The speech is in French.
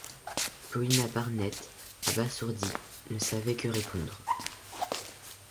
Paulina Barnett, abasourdie, ne savait que répondre.